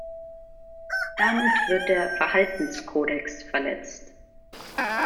Damit wird der Verhaltenskodex verletzt.